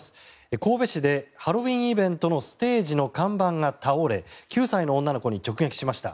神戸市でハロウィーンイベントのステージの看板が倒れ９歳の女の子に直撃しました。